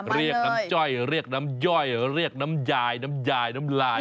เรียกน้ำจ้อยเรียกน้ำย่อยเรียกน้ำยายน้ำยายน้ำลาย